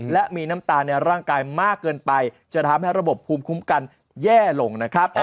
และมีน้ำตาลในร่างกายมากเกินไปจะทำให้ระบบภูมิคุ้มกันแย่ลงนะครับ